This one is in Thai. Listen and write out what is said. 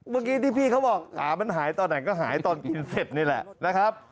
เมื่อกี้พี่บอกกระมันหายตอนไหนก็หายตอนกินเสร็จเนี่ยแหละ